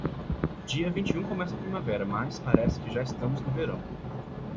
Dia vinte e um começa a primavera, mas, parece que já estamos no verão.